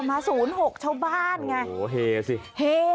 มา๐๖ชาวบ้านไงโอ้โฮเหสิโอ้โฮเหสิ